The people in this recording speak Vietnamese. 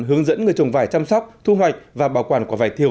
hướng dẫn người trồng vải chăm sóc thu hoạch và bảo quản quả vải thiều